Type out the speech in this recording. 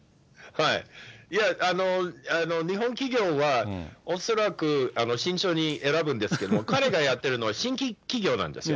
いや、日本企業は、恐らく慎重に選ぶんですけども、彼がやってるのは新規企業なんですよ。